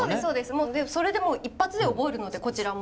もうそれでもう一発で覚えるのでこちらも。